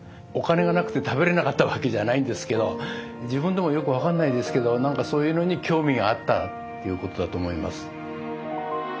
お金がなくて食べれなかったわけじゃないんですけど自分でもよく分かんないですけど何かそういうのに興味があったということだと思います。